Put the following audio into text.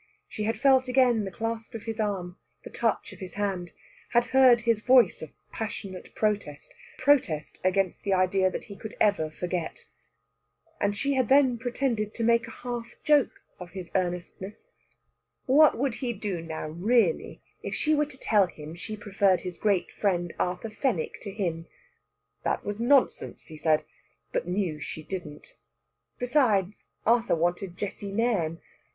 She had felt again the clasp of his arm, the touch of his hand; had heard his voice of passionate protest protest against the idea that he could ever forget. And she had then pretended to make a half joke of his earnestness. What would he do now, really, if she were to tell him she preferred his great friend Arthur Fenwick to him? That was nonsense, he said. She knew she didn't. Besides, Arthur wanted Jessie Nairn.